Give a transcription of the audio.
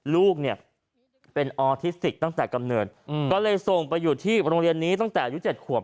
ลูกเนี่ยเป็นออทิสติกตั้งแต่กำเนิดก็เลยส่งไปอยู่ที่โรงเรียนนี้ตั้งแต่อายุ๗ขวบ